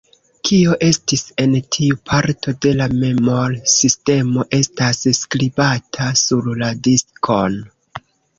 Kio estis en tiu parto de la memor-sistemo estas skribata sur la diskon.